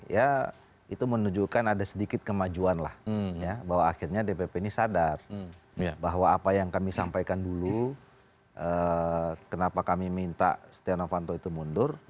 ya itu menunjukkan ada sedikit kemajuan lah ya bahwa akhirnya dpp ini sadar bahwa apa yang kami sampaikan dulu kenapa kami minta stiano fanto itu mundur